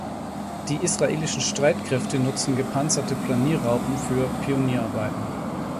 Die israelischen Streitkräfte nutzen gepanzerte Planierraupen für Pionierarbeiten.